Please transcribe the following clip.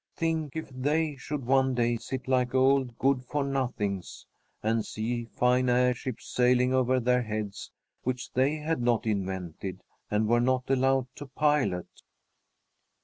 Think if they should one day sit like old good for nothings and see fine airships sailing over their heads which they had not invented and were not allowed to pilot!